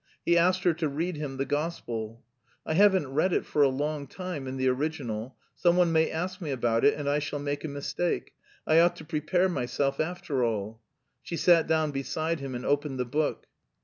He asked her to read him the gospel. "I haven't read it for a long time... in the original. Some one may ask me about it and I shall make a mistake; I ought to prepare myself after all." She sat down beside him and opened the book.